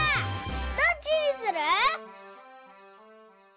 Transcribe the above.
どっちにする？